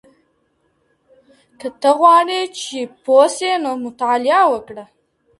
که ته غواړې چې پوه سې نو مطالعه وکړه.